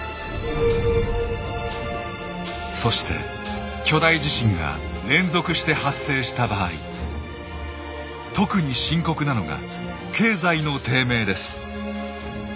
そして巨大地震が連続して発生した場合特に深刻なのが経済の低迷です。